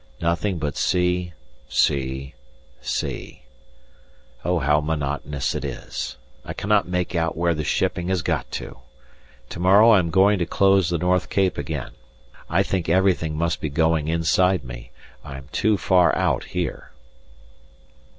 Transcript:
Nothing but sea, sea, sea. Oh, how monotonous it is! I cannot make out where the shipping has got to. Tomorrow I am going to close the North Cape again. I think everything must be going inside me. I am too far out here.